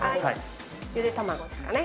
ゆで卵ですかね。